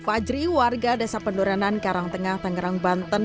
fajri warga desa pendoranan karangtengah tangerang banten